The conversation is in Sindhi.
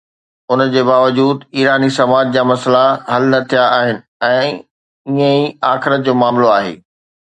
ان جي باوجود ايراني سماج جا مسئلا حل نه ٿيا آهن ۽ ائين ئي آخرت جو معاملو آهي.